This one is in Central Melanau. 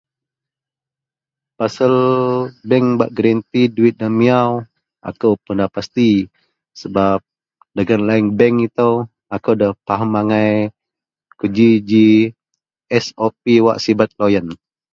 Pasel bank bak garenti duwit iyen miyau akou puon da pasti sebab dagen line bank ito akou da pahem angai kuji ji sop wak sibet loyen.